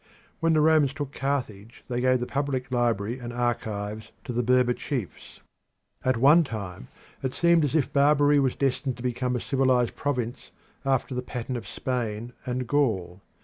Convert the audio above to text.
When the Romans took Carthage they gave the public library and archives to the Berber chiefs. At one time it seemed as if Barbary was destined to become a civilised province after the pattern of Spain and Gaul.